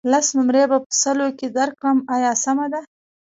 لس نمرې به په سلو کې درکړم آیا سمه ده.